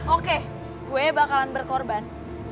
oke gue bakalan berkorban